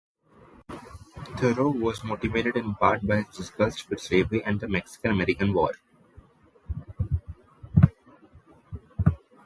Thoreau was motivated in part by his disgust with slavery and the Mexican-American War.